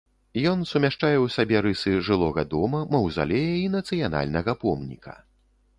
Ён сумяшчае ў сабе рысы жылога дома, маўзалея і нацыянальнага помніка.